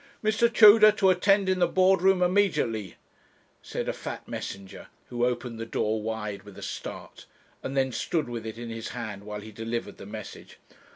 'Mr. Tudor to attend in the board room, immediately,' said a fat messenger, who opened the door wide with a start, and then stood with it in his hand while he delivered the message.